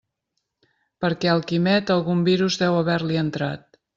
Perquè al Quimet algun virus deu haver-li entrat.